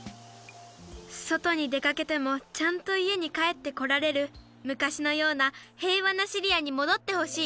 そとにでかけてもちゃんといえにかえってこられるむかしのようなへいわなシリアにもどってほしい。